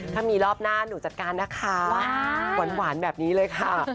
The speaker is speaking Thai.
ถ้ามีรอบหน้าหนูจัดการนะคะหวานแบบนี้เลยค่ะ